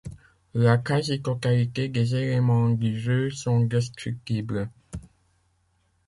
La quasi-totalité des éléments du jeu sont destructibles.